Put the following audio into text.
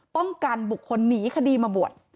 ป้องกันบุคคลหนีคดีมาบวช